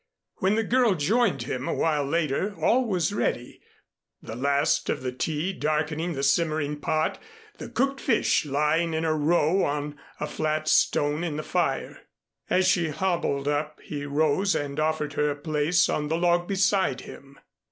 When the girl joined him a while later, all was ready, the last of the tea darkening the simmering pot, the cooked fish lying in a row on a flat stone in the fire. As she hobbled up he rose and offered her a place on the log beside him.